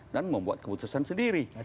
dan membuat keputusan sendiri